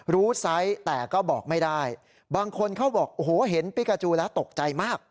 ไซส์แต่ก็บอกไม่ได้บางคนเขาบอกโอ้โหเห็นปิกาจูแล้วตกใจมาก